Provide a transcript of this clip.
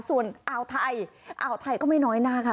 ส่วนอ่าวไทยอ่าวไทยก็ไม่น้อยหน้าค่ะ